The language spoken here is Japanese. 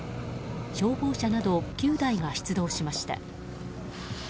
消防車など９台が出動しました。